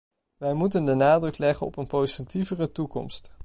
Wij moeten de nadruk leggen op een positievere toekomst.